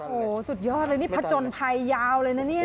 โอ้โหสุดยอดเลยนี่ผจญภัยยาวเลยนะเนี่ย